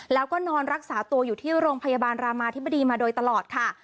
แล้วก็นอนรักษาตัวอยู่ที่โรงพยาบาลรามาธิบดีมาโดยตลอดค่ะ